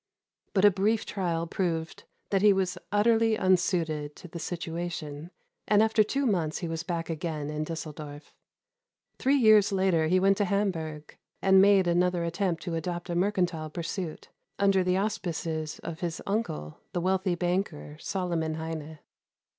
But a brief trial proved that he was utterly unsuited to the situation, and after two months he was back again in Düsseldorf. Three years later he went to Hamburg, and made another attempt to adopt a mercantile pursuit under the auspices of his uncle, the wealthy banker Solomon Heine.